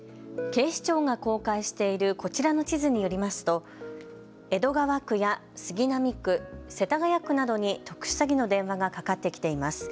警視庁が公開しているこちらの地図によりますと江戸川区や杉並区、世田谷区などに特殊詐欺の電話がかかってきています。